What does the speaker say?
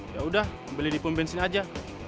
ya udah beli di pom bensin aja